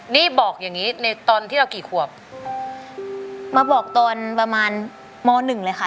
นี่บอกอย่างงี้ในตอนที่เรากี่ขวบมาบอกตอนประมาณมหนึ่งเลยค่ะ